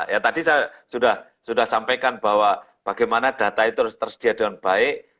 ya tadi saya sudah sampaikan bahwa bagaimana data itu harus tersedia dengan baik